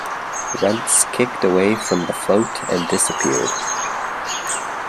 Rentz kicked away from the float and disappeared.